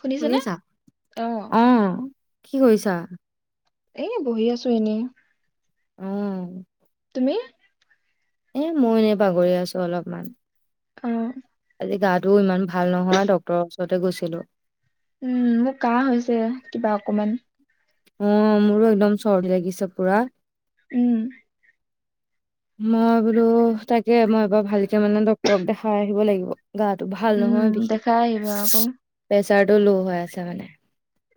শুনিছেনে? শুনিছা, অ কি কৰিছ [unintelligible] এ বহি আছো এনেই। উম। [unintelligible] মি এ মই এনে বাগৰি আছো অলপমান। অ আজি গাটো ইমান ভাল নহয় ড্ক্তৰৰ ওচৰতে গৈছিলো। উম মোৰ কাহ হৈছে কিবা অকমান। অ মোৰো একদম চৰ্দি লাগিছে পুৰা। উম। মই বোলো তাকে মই এবাৰ ভালকে মানে ড্ক্তৰক দেখাই আহিব লাগিব। গাটো ভাল উম, নহয় দেখাই আহিবা আকৌ। বিশেষ [inaudible] চাৰটো ল' হৈ আছে মানে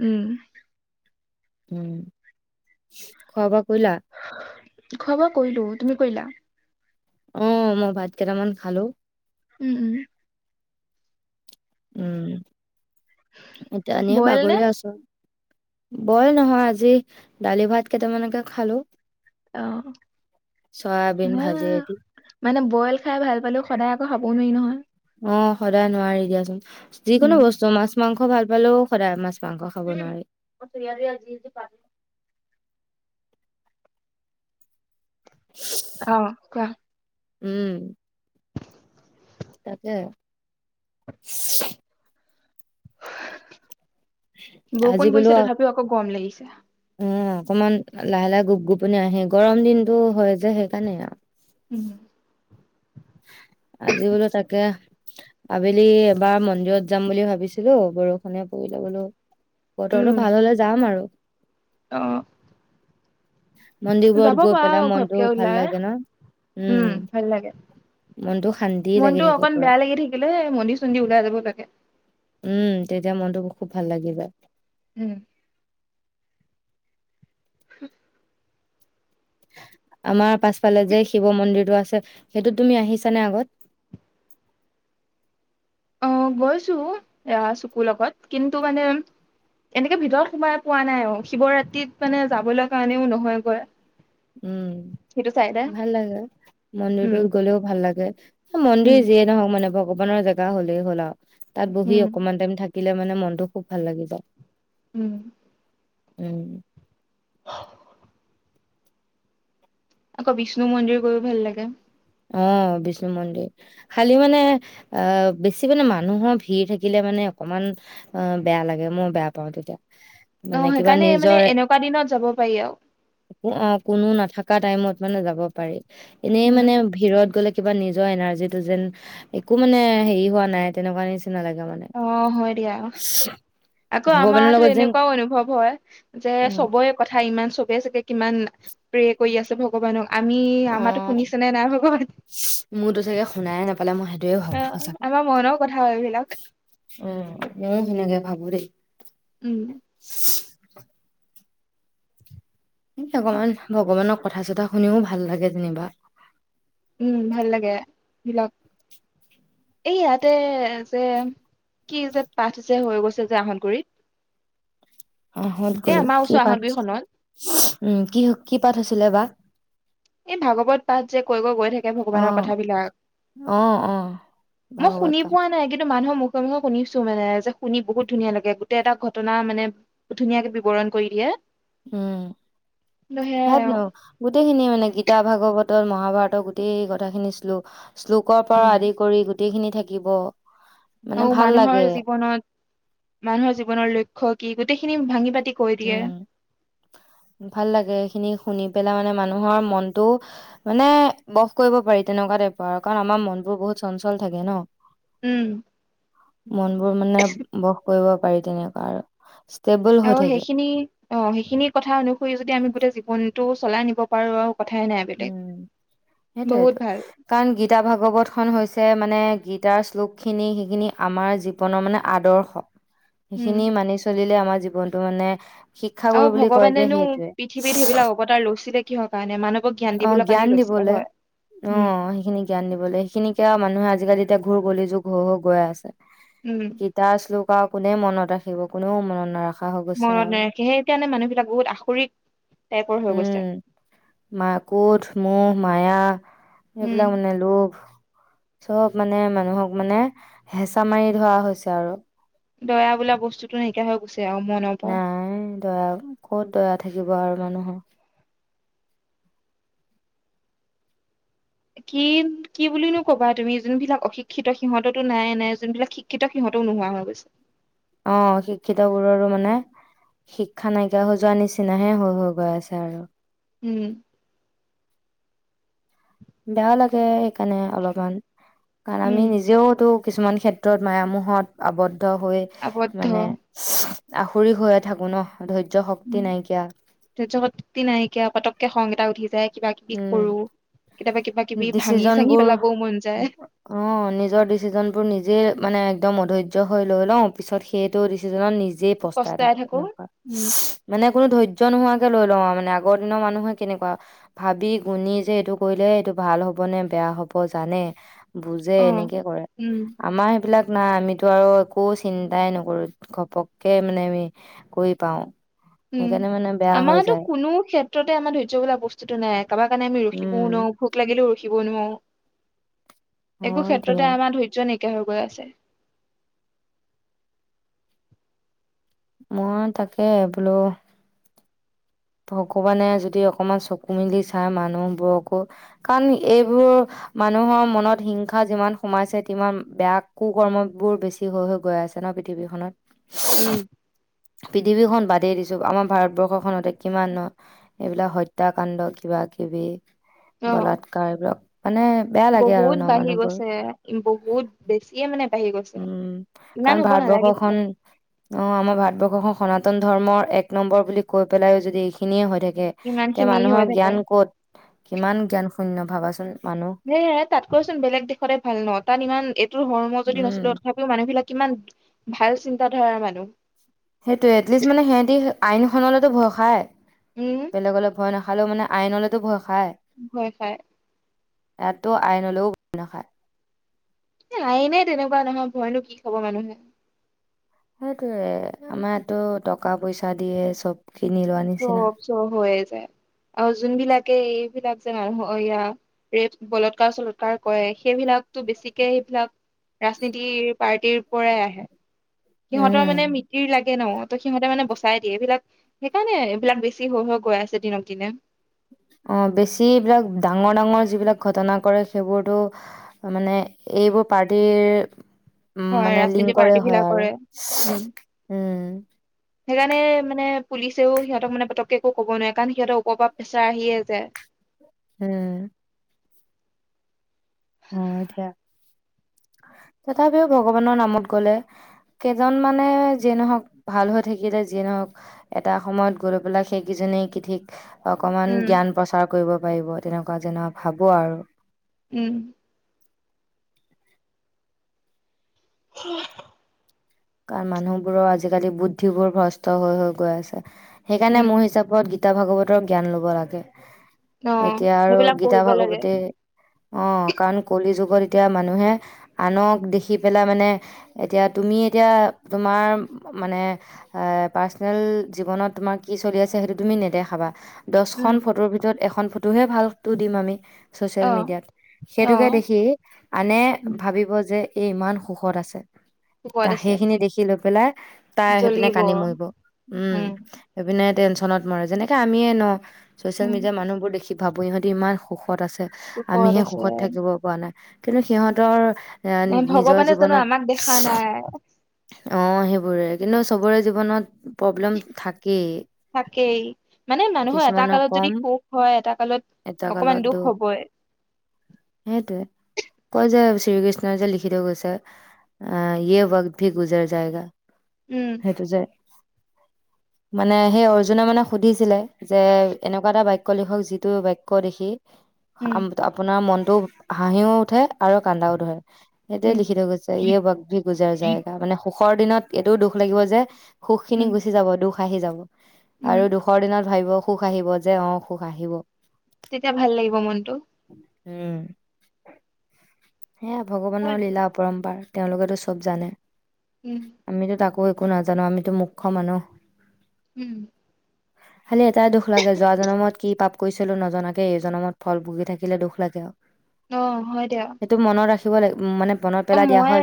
উম। উম খোৱা বা বওলা খোৱা বোৱা কয়িলো তুমি কয়িলা অ মই ভাত কেইটামান খালো উম উম উম এতিয়া এনে বইল নে? বাগৰি আছো বয়ল নহয় আজি দালি ভাত কেইটামানকে খালো অ চয়াবিন ন ভাজি দি মানে বইল খাই ভাল পালো সদায় আকৌ খব ক মনাখন অ সদায় নোৱাৰি দিয়াচোন যি কোনো উম। বস্তু মাছ মাংস মই ভালেপালেও সদায় মাছ মাংস খাব উম নোৱাৰি উচুনীয়া আজি যে প অ ক উম তাকে স স আজি বৰষুণ বোলো পৰিছে তথাপিও আকৌ গৰম লাগিছে এতি অ অকমান লাহে লাহে গোপ গোপনি আহে গৰম দিনতটো হয় যে সেইকাৰণে আৰু উম আজি বোলো তাকে আবেলি এবাৰ মন্দিৰত যাম বুলি ভাবিছিলো বৰষুণে পৰিলে বোলো বতৰটো ভাল হলে যাম আৰু অহ মন্দিৰবোৰত গৈ পেলাই মনটো ঘপকে ভাল ওলাই। লাগে ন উম ভাল লাগে। মনটো শান্তি লাগি মনটো থাকে অকন পুৰা বেয়া লাগি থাকিলে মন্দিৰ চন্দিৰ ওলাই যাব লাগে উম তেতিয়া মনটোকো খুব ভাল লাগিবা উম হম আমাৰ পাছফালে যে শিৱ মন্দিৰটো আছে সেইটোত তুমি আহিছানে আগত অ গৈছো এয়া চপুৰৰ লগত কিন্তু মানে এনেকে ভিতৰত সোমাই পোৱা নাই অ শিৱৰাত্ৰিত মানে যাবলৈ কাৰণেও নহয়গৈ উম সেইটো চাইডে ভাল লাগে উম মন্দিৰটোত গলেও ভাল লাগে মন্দিৰ উম যিয়ে নহওক মানে ব ভগৱানৰ জেগা হ'লেই হ'ল আৰু তাত বহি উম অকমান টাইম থাকে থাকিলে মানে মনটো খুব ভাল লাগিব উম উম আকৌ বিষ্ণু মন্দিৰ গৈও ভাল লাগে অ বিষ্ণু মন্দিৰ খালি মানে আহ বেছি মানে মানুহৰ ভিৰ থাকিলে মানে অকমান অ বেয়া লাগে মই বেয়া পাওঁ তেতিয়া অ মানে কিবা সেইকাৰণে মানে নিজৰ এনেকুৱা দিনত যাব পাৰি আৰু অ কোনো নাথাকে কা টাইমত মানে যাব পাৰি এনেই উম মানে ত গলে কিবা নিজৰ এনাৰ্জিটো যেন একো মানে হেৰি হোৱা নাই তেনেকুৱা নি চিনা অ হয় দিয়া আকৌ ভগৱানৰ আমাৰোতো লগত যেন এনেকুৱাও অনুভৱ হয় যে উম চবৰে কথা ইমান চবে চাগে কিমান প্ৰে কৰি আছে ভগৱানক আমি আমাৰো অ' শুনিছেনে নাই ভগৱান দেও স সঁচাকৈ উম মোৰ সেনেকে ভাবো দেই উম [unintelligible] ভগৱান ভগৱানৰ কথা চথা শুনিও ভাল লাগে যেনিবা উম ভাল লাগে ধৰি লক এই ইয়াতে যে কি যে পাঠ যে হৈ গৈছে যে আহটগুৰিত আহটগুৰিত ওচৰ কিমান পাত আহতগুৰিখনত ছিল উম কি কি পাঠ হৈছিলে বা এই ভাগৱত পাঠ যে কৈ গৈ গৈ থাকে ভগৱানৰ অ', কথাবিলাক অ', অ' মই ভাগৱত শুনি পাঠ। পোৱা নাই কিন্তু মানুহৰ মুখ শুনিছোঁ মানে যে শুনি বহুত ধুনীয়া লাগে গোটেই এটা ঘটনা মানে ধুনীয়াকে বিৱৰণ কৰি দিয়ে উম কিন্তু সেয়াই সাতনো আৰু গোটেই খিনি মানে গীতা ভাগৱতত মহাভাৰতৰ গোটেই কথাখিনি শ্লো শ্লোকৰ পৰা আদি কৰি গোট গোটেইখিনি থাকিব মানে অহ ভাল লাগে মানুহৰ জীৱনত মানুহৰ জীৱনৰ লক্ষ্য কি গোটেইখিনি ভাঙি পাতি পাতি কৈ দিয়ে উম। ভাল লাগে এইখিনি শুনি পেলাই মানে মানুহৰ মনটো মানে বস কৰিব পাৰি তেনেকুৱা টাইপৰ আৰু কাৰণ আমাৰ মন বোৰ বহুত চঞ্চল থাকে ন উম মন বোৰ মানে বস কৰিব পাৰি তেনে কোৱা আৰু ষ্টেবল অ হৈ থাকে সেইখিনি অ সেইখিনি কথা অনুসৰি যদি আমি গোটেই জীৱন টো চলাই নিব পাৰো আৰু কথাই নাই বেলেগ উম বহুত সেইটোয়েটো ভাল কাৰণ গীতা ভাগৱত খন হৈছে মানে গীতাৰ শ্লোক খিনি সেইখিনি আমাৰ জীৱনৰ মানে আদৰ্শ উম সেইখিনি মানি চলিলে আমাৰ জীৱনটো মানে অ শিক্ষাগুৰু বুলি কয় যে ভগৱানেনো সেইটোৱে পৃথিৱীত সেইবিলাক অৱতাৰ লৈছিলে কিহৰ কৰণে অ জ্ঞান দিবলৈ অ উম সেইখিনি জ্ঞান দিবলে সেইখিনিকে মানুহে আজিকালি এতিয়া ঘূুৰ গলি যুগ হৈ হৈ গৈ আছে উম কি দাস লোক কোনে মনত ৰাখিব কোনেও মনত নাৰাখে মনত নাৰাখে সেইকাৰণে মানুহবিলাক বহুত আখৰিক টাইপৰ হৈ গৈছে মাকুদ ধুমো মায়া উম এইবিলাক মানে লোভ চব মানে মানুহক মানে হেঁচা মাৰি ধৰা হৈছে আৰু দয়া বোলা বস্তুটো নাইকিয়া হৈ গৈছে আৰু মনৰ পৰা নাই দিয়া ক'ত দিয়া থাকিব আৰু মানুহৰ কি কি বুলিনো কবা তুমি যোনবিলাক অশিক্ষিত সিহঁততো নাই নাই যোনবিলাক শিক্ষিত সিহঁতও নোহোৱা হৈ গৈছে অ শিক্ষিত বোৰৰো মানে শিক্ষা নাইকিয়া হৈ যোৱা নিচিনাহে হৈ হৈ গৈ আছে আৰু উম বেয়া লাগে মানে অলপমান কাৰণ আমি উম নিজেও তো কিছুমান ক্ষেত্ৰত মায়মোহত আৱদ্ধ দ্ধ হৈ আবদ্ধ মানে আখুৰি হৈয়ে থাকোঁ ন ধৈৰ্য্য শক্তি উ নাইকিয়া ধৰ্য্য শক্তি নাইকিয়া পাতক কে সংগীতা উঠি যায় কিবা কিবি কৰো। কেতিয়াবা কিবা উম কিবি ভাঙি ডিচিজন চাঙি বোৰ পেলাবও মন যায় অ নিজৰ ডিচিজন বোৰ নিজে মানে একদম অধৈৰ্য হৈ লৈ লওঁ পিছত সেইটো ডিছে মানে নিজে পস্টাই থাকো সেনেকোৱা উম মানে কোনো ধৰ্য্য নোহোৱা হৈ গল মানে আগৰ দিনৰ মানুহে কেনেকুৱা ভাবি গুণি যে এইটো কৰিলে এইটো ভাল হ'ব নে বেয়া হ'ব জানে বুজে অ এনেকে কৰে উম আমাৰ সেইবিলাক না আমিতো আৰু একো চিন্তাই নকৰো ঘপককে মানে আমি কৰি পাও উম সেইকাৰণে মানে বেয়া হৈ আমাৰতো যায় কোনো ক্ষেত্ৰতে আমাৰ ধৈ্য্য বোলা বস্তুতটো নাই কাৰবাৰ কাৰণে আমি ৰখিবও নো উম ভোক লাগিলো শিকিব নোৱাৰোঁ একো হয় দিয়া ক্ষেত্ৰতে আমাৰ ধৈৰ্য নেকি হৈ গৈ আছে মই তাকে বোলোঁ ভগৱানে যদি অকমান চকু মেলি চাই মানুহবোৰকো কাৰণ এইবোৰ মানুহৰ মনত হিংসা যিমান সোমাইছে সিমান বেয়া কু কৰ্মবোৰ বেছি হৈ হৈ গৈ আছে ন পৃথিৱীখনত উম পৃথিৱীখন বাদেই দিছো আমাৰ ভাৰতবৰ্ষখনত কিমান এইবিলাক হত্যাকাণ্ড কিবা কিবি অ বলাৎকাৰ এইবিলাক মানে বেয়া লাগে আৰু বহুত ন বাঢ়ি মানুহবোৰ গৈছে বহুত বেছিয়ে মানে বাঢ়ি গৈছে উম ইমান কাৰণ হ'ব নালাগিছিলে ভাৰতবৰ্ষখন অ আমাৰ ভাৰতবৰ্ষখন সনাতন ধৰ্মৰ এক নম্বৰ বুলি কৈ পেলাই যদি এইখিনিয়ে হৈ থাকে ইমান তে খিনি মানুহৰ হৈ থাকে জ্ঞান ক'ত কিমান জ্ঞান শূন্য ভাবাচোন মানুহ সে তাত কৈচোন বেলেগ দেশতে ভাল নহ তাত ইমান ত ধৰ্ম যদি উম, নছিললে তথাপিও মানুহবিলাক কিমান ভাল চিন্তাাধাৰাৰ মানুহ সেইটোৱে এটলিষ্ট মানে সিহঁতি আইনখনলৈতো ভয় খাই উম বেলেগ অলপ ভয় নহয় ভালে মানে আইনলৈতো ভয় হয় হয় ইয়াতো আইনলৈও ব নাখায় আইনে তেনেকুৱা নহয় ভয়নো কি খাব মানুহে সেইটোয়ে আমাৰো টকা পইচা দিয়ে চব কিনি লোৱা নিচিনা। চব চব হৈ যায় আৰু যোন বিলাকে বিলাক যে মানুহয়া ৰে বলৎকাৰ চলৎকাৰ কৰে সেইবিলাকতো বেছিকে সেইবিলাক ৰাজনীতি পাৰ্টিৰ পৰাই আহে সিহঁতৰ উম, মানে মিতিৰ লাগে ন ত সিহঁতে মানে বস চাই দিয়ে এইবিলাক সেইকাৰণে এইবিলাক বেছি হৈ হৈ গৈ আছে দিনক দিনে অ বেছি বিলাক ডাঙৰ ডাঙৰ যিবিলাক ঘটনা কৰে সেইবোৰতো মানে এইবোৰ পাৰ্টিৰ উম, হয় মানে ৰাজনীতি লিংকৰে পাৰ্টি হয় বিলাক আৰু কৰে উম উম, সেইকাৰণে মানে পুলিচে ও সিহঁতক মানে পটকে একো ক'ব নোৱাৰে কাৰণ সিহঁতৰওপৰ পৰা প্ৰেছাৰ আহিয়ে যায় উম অ এতিয়া তথাপিও ভগৱানৰ নামত গলে কেইজন মানে যিয়ে নহক ভাল হৈ থাকিলে যিয়ে নহক এটা সময়ত গৈ পেলাই সেইকেইজনে কি ঠিক অকমান উম, জ্ঞান প্ৰচাৰ কৰিব পাৰিব তেনেকুৱা যেন ভাবো আৰু উম উ কাৰণ মানুহবোৰৰ আজিকালি বুদ্ধিবোৰ ভ্ৰষ্ট হৈ হৈ গৈ আছে সেইকাৰণে উম, মোৰ হিচাপত গ গীতা ভাগৱতৰ জ্ঞান ল'ব লাগে অ', এতিয়া আৰু সেইবিলাক গীতা পঢ়িব লাগে। ভাগৱতী অ কাৰণ কলি যুগত এতিয়া মানুহে আনক দেখি পেলাই মানে এতিয়া তুমিয়ে এতিয়া তোমাৰ মানে পাৰ্চনেল জীৱনত তোমাৰ কি চলি আছে সেইটো তুমি নেদেখাবা। উম, দহখন ফটোৰ ভিতৰত এখন এখন ফটোহে ভালটো দিম আমি। ছচিয়েল অ', মিডিয়াত সেইটোকে অ', দেখি আনে উম, ভাবিব যে এই ইমান সুখত আছে। সুখত তাই আছে সেইখিনি দেখি লৈ পেলাই তাই সেইপিনে জ্বলিব কান্দি মৰিব।। উম, সেইপিনে টেনচন নত মৰে। যেনেকে আমিয়ে ন চচিয়েল উম, মিডিয়াৰ মানুহবোৰ দেখি ভাবোঁ ইহঁতি ইমান সুখ সুখত আছে। আমিহে সুখত থাকিব পৰা নাই। কিন্তু সিহঁতৰ এ নিজৰ ভগৱানে জানো জীৱনত আমাক দেখা নাই? অ সেইবোৰে কিন্তু চবৰে জীৱনত প্ৰব্লেম থাক তাকেই মানে মানুহৰ এটা কিছুমানৰ কালত যদি কম সুখ হয় এটা কালত এটা কালত অকমান দুখ হবই। সেইটোয়ে কয় যে শ্ৰীকৃষ্ণই যে লিখি থৈ গৈছে। আহ ইয় বক্ত ভি গুজাৰ যায়েগা। উম, সেইটো যে মানে সেই অৰ্জুনে মানে সুধিছিলে যে এনেকুৱা এটা বাক্য লিখক যিটো বাক্য দেখি উম, আপোনাৰ মন ত হাঁহিও উঠে, আৰু কান্দাও ধৰে। সেইটোৱে উম, লিখি থৈ গৈছে, য়ে বক্ত ভি গুজৰ জায়েগা মানে স সুখৰ দিনত এইটোও দুখ লাগিব যে সুখখিনি উম, গুচি যাব, দুখ ভাহি যাব। উম, আৰু দুখৰ দিনত ভাবিব সুখ আহিব যে অ সুখ আহিব। তেতিয়া ভাল লাগিব মনটো। উম সেয়া, হয় ভগৱানৰ দিয়া লীলা অপৰমম্পাৰ। তেওঁলোকেতো চব জানে। উম, আমিতো তাকো মইও একো নাজানো আমিতো মূৰ্খ মানুহ উম খালি এটাই দুখ লাগে যোৱা জনমত কি পাপ কৈছিলো নজনাকে এই জনমত ফল ভুগি থাকিলে দুখ লাগে আৰু অ হয় দিয়া। সেইটো মনত ৰাখি থব লাগিব মনত অ পেলাই দিয়া মই হয়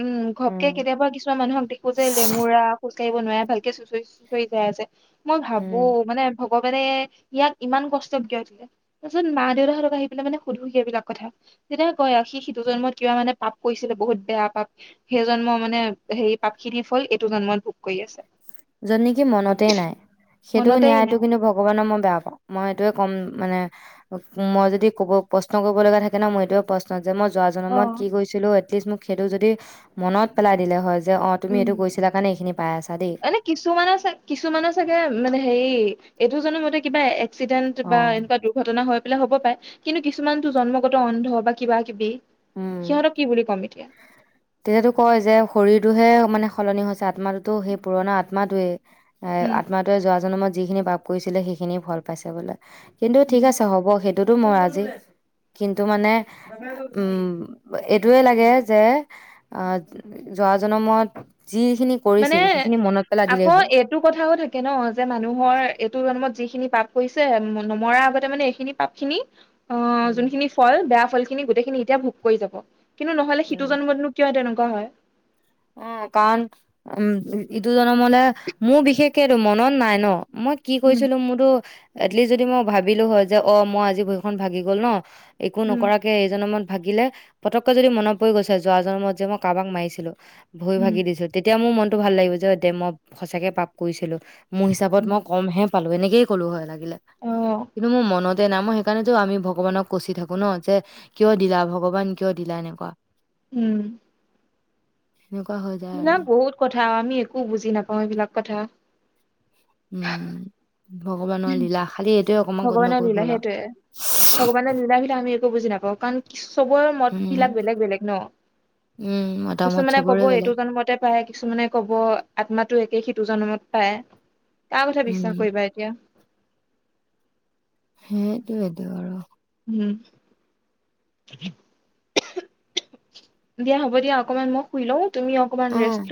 উম ঘপকে উম কেতিয়াবা কিছুমান মানুহক দেখো যে লেঙুৰা খোজ কাঢ়িব নোৱাৰে ভালকে চুচৰি চুঁচৰি যাই আছে মই ভাবো উম মানে মই মানে ইয়াক ইমান কষ্ট কিয় দিলে তাৰপিছত মা দেউতাহঁতক আহি পেলাই মানে সুধোঁ সি এইবিলাক কথা তেতিয়া কয় সি সিটো জনমত কিবা মানে পাপ কৰিছিলে বহুত বেয়া পাপ সেই জন্মৰ মানে সেই পাপ খিনিৰ ফল এইটো জন্মত ভোগ কৰি আছে যত নেকি মনতে নাই সেইটো মনতেই ন্যায়তটো নাই কিন্তু ভগৱানক মই বেয়া পাওঁ মই এইটোয়ে ক'ম মানে মই যদি কব প্ৰশ্ন কৰিব লগা থাকে ন মই এইটোয়ে প্ৰশ্ন যে মই যোৱা অ জন্মত কি কৰিছিলো প্লিজ মোক সেইটো যদি মনত পেলাই দিলে হয় যে অ তুমি এইটো উম গৈইছিলা কাৰণে এইখিনি পাই আছা দেই কিছুমানে চাগে মানে হেৰি এইটো জানমতে কিবা এক্সিডেণ্ট অ বা এনেকুৱা দুৰ্ঘটনা হয় বোলে হ'ব পাৰে কিন্তু কিছুমান টো জন্মগত অন্ধ বা কিবা কিবি উম সিহঁতক কি বুলি ক'ম এতিয়া তেতিয়াতো কয় যে শৰীৰটোহে মানে সলনি হৈছে আত্মাটোতো সেই পুৰণা আত্মাটোৱে এ উম আত্মাতোৱে যোৱা জন্মত যিখিনি পাপ কৰিছিলে সেইখিনি ফল পাইছে বোলে কিন্তু ঠিক উম, আছে হ'ব সেইটো এইটোতো মই আজি কিন্তু মানে উম এইটোৱে লাগে যে আ যোৱা জনন্মত মানে আকৌ হ'ল এইটো কথাও থাকে ন যে মানুহৰ এইটো জন্মত যি যিখিনি পাপ কৰিছে নমৰা আগতে মানে এইখিনি পাপ খিনি অ উম যোনখিনি ফল বেয়া ফল যিখিনি গোটেইখিনি এতিয়া ভোগ কৰি যাব কিন্তু নহলে উম হিটো জন্মত নো কিয় তেনেকোৱা কাৰ হয়? অ কাৰণ উম-উম ইটো জন মনে মোৰ বিশেষ সেইটো মনত নাই ন? মই কি উম কৈছিলো মোৰটো এটলিষ্ট যদি মই ভাবিলো হয় যে অ মই আজি ভৰিখন ভাগি গ'ল ন একো উম নকৰাকে এই জনমত ভাগিলে পতককৈ যদি মনত পৰি গৈছে যোৱা জনমত যে মই কাবাক মাৰিছিলো ভয় উম ভাগি দিছো তেতিয়া মোৰ মন। টো ভাল লাগিব যে দে মই সঁচাকে পাপ কৰিছিলো। মোৰ হিচাপত উম মই ক'মহে। পালো এনেকে কলো হয় লাগে অ কিন্তু মোৰ মনত নামৰ সেইকাৰণেতো আমি ভগৱানক কচি থাকো ন যে কিয় দিলা ভগৱান কিয় দিলা এনেকুৱা উম, সেনেকুৱা হৈ যায় আৰু সেইবিলাক বহুত কথা আমি একো বুজি নাপাওঁ এইবিলাক কথা উম, ভগৱানৰ লীলা খালি। এইটোৱে অকমান ভগৱানৰ গণ্ডগোল লীলা হ'ল আৰু সেইটয়ে ভগৱানৰ লীলা বিিলাক আমি ভগবান নিলে সেইটো ভগবান নিলে বুলি একো বুজি নাপাওঁ কাৰণ চবৰে মত উম বিলাক বেলেগ বেলেগ ন উম মতামত কিছুমানে কব চবৰে এইটো বেলেগ জমতে পায় কিছুমানে কব আত্মাটো একে খিত সিটো জনমত হে পায় কাৰ কথা বিশ্বাস উম কৰিবা এতিয়া? সেইটোৱেইটো আৰু উম দিয়া হ'ব দিয়া অকমান মই শুই লওঁ তুমি অকমান অ ৰেষ্ট লোৱা।